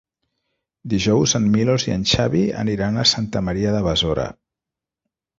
Dijous en Milos i en Xavi aniran a Santa Maria de Besora.